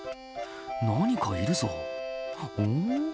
「何かいるぞうん？」